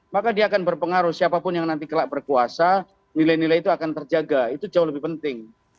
maka dia akan berpengaruh siapapun yang nanti kelak berkuasa nilai nilai itu akan terjaga itu jauh lebih penting